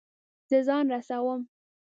زه ځان رسوم